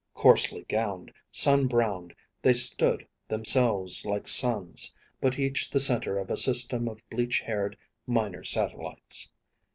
Coarsely gowned, sun browned, they stood; themselves like suns, but each the centre of a system of bleach haired minor satellites.